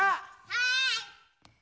はい！